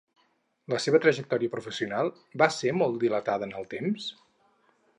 La seva trajectòria professional va ser molt dilatada en el temps?